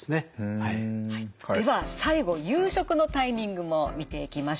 では最後夕食のタイミングも見ていきましょう。